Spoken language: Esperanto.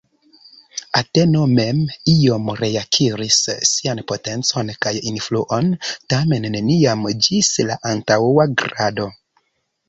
Ateno mem iom reakiris sian potencon kaj influon, tamen neniam ĝis la antaŭa grado.